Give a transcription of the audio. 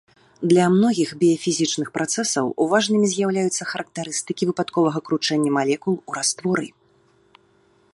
Для многіх біяфізічных працэсаў важнымі з'яўляюцца характарыстыкі выпадковага кручэння малекул у растворы.